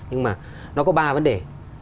nhưng mà nó có ba vấn đề